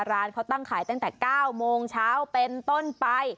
ร้านเขาตั้งขายตั้งแต่๙โมงเช้าเป็นต้นไป